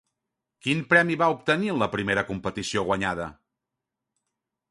Quin premi va obtenir en la primera competició guanyada?